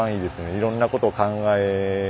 いろんなことを考え